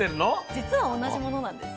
実は同じものなんです。